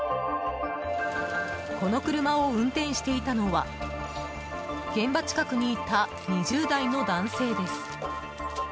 この車を運転していたのは現場近くにいた２０代の男性です。